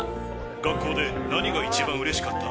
学校で何が一番うれしかった？